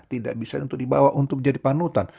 tidak bisa untuk dibawa untuk jadi panutan